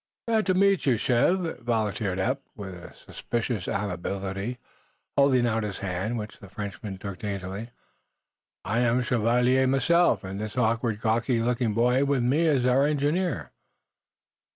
"Glad to meet you, Chev," volunteered Eph, with suspicious amiability, holding out his hand, which the Frenchman took daintily. "I'm a 'shoveleer' myself, and this awkward, gawky looking boy with me is our engineer."